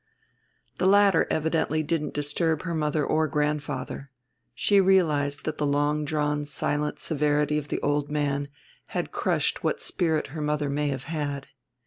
The latter evidently didn't disturb her mother or grandfather; she realized that the long drawn silent severity of the old man had crushed what spirit her mother may have had.